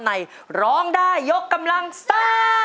ในร้องได้ยกกำลังซ่า